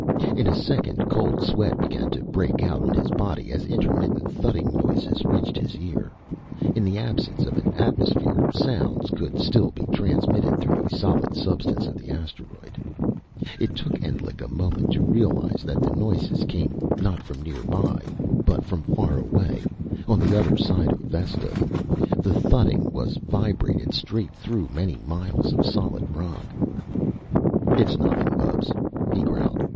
In a second cold sweat began to break out on his body, as intermittent thudding noises reached his ear. In the absence of an atmosphere, sounds could still be transmitted through the solid substance of the asteroid. It took Endlich a moment to realize that the noises came, not from nearby, but from far away, on the other side of Vesta. The thudding was vibrated straight through many miles of solid rock. "It's nothing, Bubs," he growled.